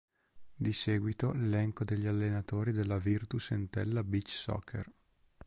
Di seguito l'elenco degli allenatori della Virtus Entella Beach Soccer.